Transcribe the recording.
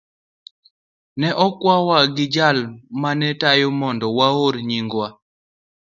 Ne okwawa gi jal ma ne tayo mondo waor nyingwa.